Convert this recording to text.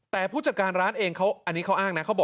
แต่ผู้จัดการร้านเองเขาอ้างนะ